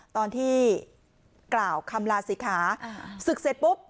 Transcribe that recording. ตอนที่เกล่าคำลาสิทธาอ่าศึกเสร็จปุ๊บ